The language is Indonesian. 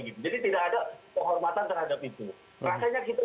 jadi tidak ada kehormatan terhadap itu